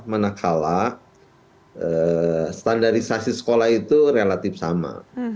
manakala standarisasi sekolah itu relatif sama